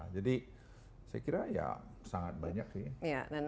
jadi saya kira ya sangat banyak sih